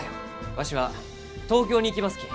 わしは東京に行きますき。